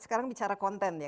sekarang bicara konten ya